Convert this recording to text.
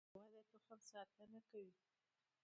میوه د تخم ساتنه کوي